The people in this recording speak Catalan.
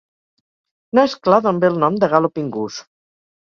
No és clar d'on ve el nom de "Galloping Goose".